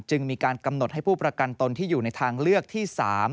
มีการกำหนดให้ผู้ประกันตนที่อยู่ในทางเลือกที่๓